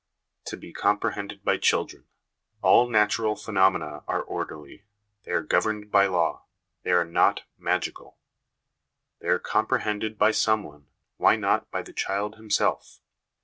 To be Comprehended by Children. " All natural phenomena are orderly ; they are governed by law ; they are not magical. They are comprehended by someone; why not by the child himself?